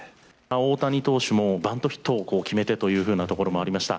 大谷投手もバントヒットを決めてというところもありました。